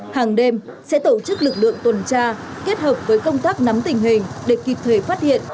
hàng đêm sẽ tổ chức lực lượng tuần tra kết hợp với công tác nắm tình hình để kịp thời phát hiện